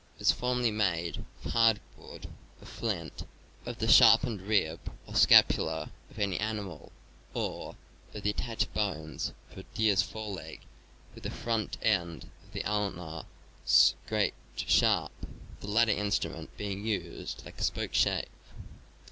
It was formerly made of hardwood, of flint, of the sharpened rib or scapula of an animal, or of the attached bones of a deer's foreleg with the front end of the ulna scraped sharp, the latter instrument being used like a spoke shave.